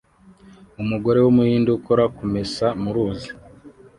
Umugore wumuhinde ukora kumesa muruzi